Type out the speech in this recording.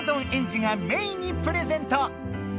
エンジがメイにプレゼント。